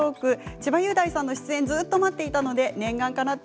千葉雄大さんの出演ずっと待っていたので念願かなって